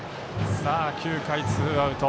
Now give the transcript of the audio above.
９回、ツーアウト。